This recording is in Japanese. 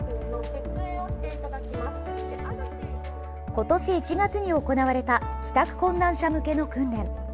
今年１月に行われた帰宅困難者向けの訓練。